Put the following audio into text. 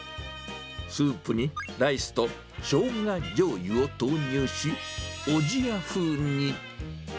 スープにライスとしょうがじょうゆを投入し、おじや風に。